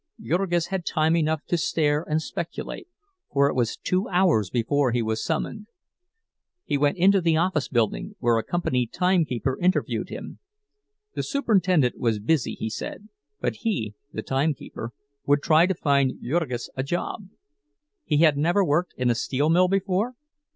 Jurgis had time enough to stare and speculate, for it was two hours before he was summoned. He went into the office building, where a company timekeeper interviewed him. The superintendent was busy, he said, but he (the timekeeper) would try to find Jurgis a job. He had never worked in a steel mill before?